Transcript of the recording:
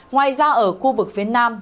ngoài ra ở khu vực phía nam